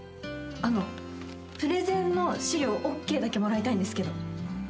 あのプレゼンの資料ＯＫだけもらいたいんですけど。